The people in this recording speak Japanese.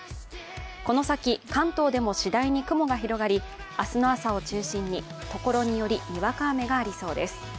この先、関東でも次第に雲が広がり明日の朝を中心にところによりにわか雨がありそうです。